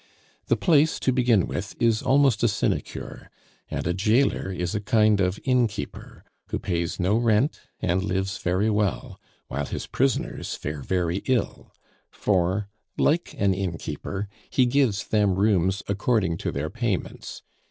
The place, to begin with, is almost a sinecure, and a jailer is a kind of innkeeper who pays no rent and lives very well, while his prisoners fare very ill; for, like an innkeeper, he gives them rooms according to their payments.